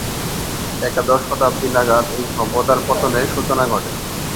একাদশ শতাব্দী নাগাদ এই সভ্যতার পতনের সূচনা ঘটে।